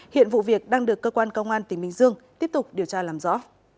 hiện vụ việc đang được cơ quan công an tp hcm tiếp tục điều tra làm rõ